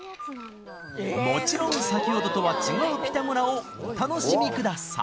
もちろん先ほどとは違うピタゴラをお楽しみください